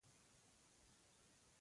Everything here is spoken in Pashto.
ویې ویل شنه بوټي چا وهلي دي په غوسه و.